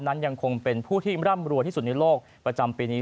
ยังคงเป็นผู้ที่ร่ำรวยที่สุดในโลกประจำปีนี้